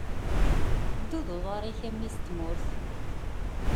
Ddu d uḍar-ik a mmi-s n tmurt!